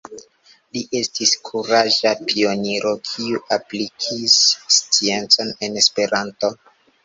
Li estis kuraĝa pioniro kiu aplikis sciencon en Esperanto.